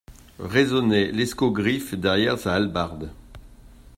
Raisonnait l'escogriffe derrière sa hallebarde.